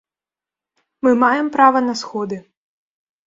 Мы маем права на сходы.